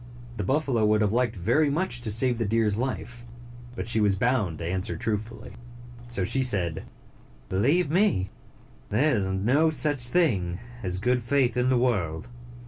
The buffalo would have liked very much to save the deer's life, but she was bound to answer 142 truthfully, so she said, "Believe me, there is no such thing as good faith in the world."